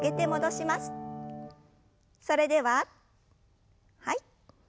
それでははい。